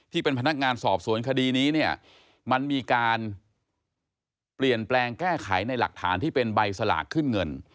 ที่เป็นพนักงานสอบสวนคดีนี้เนี่ยมันมีการเปลี่ยนแปลงแก้ไขในหลักฐานที่เป็นใบสลากขึ้นเงิน